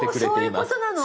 おそういうことなの！